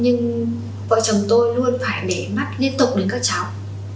nhưng vợ chồng tôi luôn phải để mắt liên tục đến các cháu